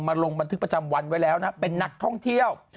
ลงบันทึกประจำวันไว้แล้วนะเป็นนักท่องเที่ยว